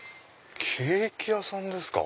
ケーキ屋さんですか。